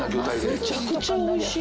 めちゃくちゃおいしい。